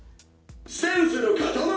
「センスの塊！」